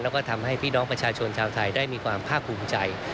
แล้วก็ทำให้พี่น้องประชาชนชาวไทยได้มีความภาคภูมิใจ